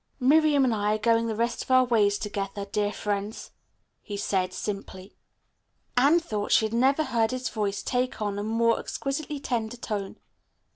"Miriam and I are going the rest of our way together, dear friends," he said simply. Anne thought she had never heard his voice take on a more exquisitely tender tone.